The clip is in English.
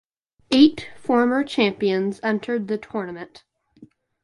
Eight former champions entered the tournament.